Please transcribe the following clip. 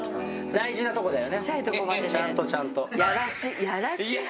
大事なとこだよね。